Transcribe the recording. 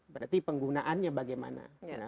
berarti penggunaannya bagaimana